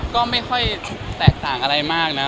ก็ไม่ค่อยแตกต่างอะไรมากนะ